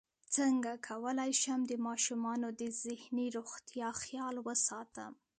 څنګه کولی شم د ماشومانو د ذهني روغتیا خیال وساتم